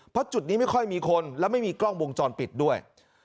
เพราะจุดนี้ไม่ค่อยมีคนแล้วไม่มีกล้องวงจรปิดด้วย